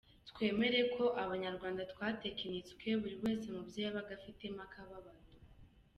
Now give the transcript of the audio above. Twemere ko abanyarwanda twatekinitswe, buri wese mubyo yabaga afitemo akababaro.